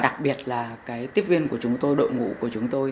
đặc biệt là cái tiếp viên của chúng tôi đội ngũ của chúng tôi